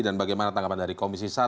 dan bagaimana tanggapan dari komisi satu